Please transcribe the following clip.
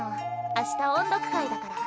明日音読会だから。